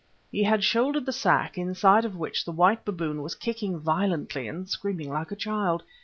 He had shouldered the sack, inside of which the white baboon was kicking violently, and screaming like a child.